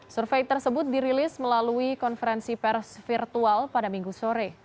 survei tersebut dirilis melalui konferensi pers virtual pada minggu sore